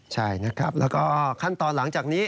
ใช่นะครับแล้วก็ขั้นตอนหลังจากนี้